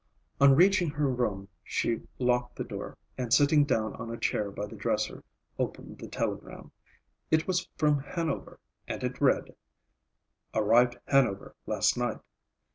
On reaching her room she locked the door, and sitting down on a chair by the dresser, opened the telegram. It was from Hanover, and it read:— Arrived Hanover last night.